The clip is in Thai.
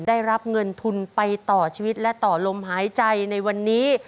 ได้รับเงินทุนไปต่อชีวิตและต่อลมหายใจในวันนี้